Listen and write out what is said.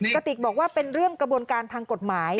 กระติกบอกว่าเป็นเรื่องกระบวนการทางกฎหมาย